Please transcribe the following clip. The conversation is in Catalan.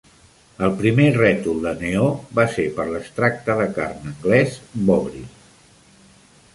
El primer rètol de neó va ser per l'extracte de carn anglès Bovril.